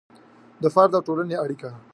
د فرد او د ټولنې اړیکه